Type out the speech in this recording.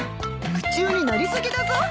夢中になりすぎだぞ！